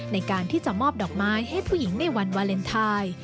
ในการที่จะมอบดอกไม้ให้ผู้หญิงในวันวาเลนไทย